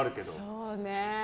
そうね。